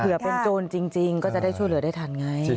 เป็นโจรจริงก็จะได้ช่วยเหลือได้ทันไง